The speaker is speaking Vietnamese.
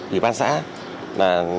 vì ban xã